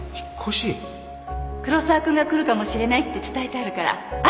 黒沢君が来るかもしれないって伝えてあるから後で来るかも。